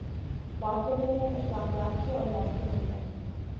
بات کرتے ہیں ہم اخلاقیات کی اورریاست مدینہ کی